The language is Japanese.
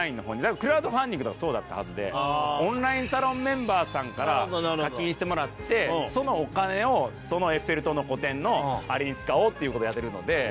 クラウドファンディングとかそうだったはずでオンラインサロンメンバーさんから課金してもらってそのお金をそのエッフェル塔の個展のあれに使おうっていう事をやってるので。